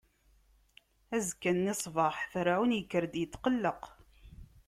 Azekka-nni ṣṣbeḥ, Ferɛun ikker-d itqelleq.